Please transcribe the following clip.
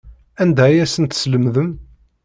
Anda ay asen-teslemdem?